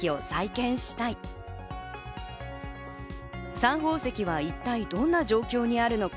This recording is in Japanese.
サン宝石は一体どんな状況にあるのか